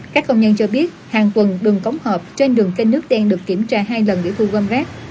các công nhân cho biết hàng tuần đường cống hợp trên đường kênh nước ten được kiểm tra hai lần để thu gom rác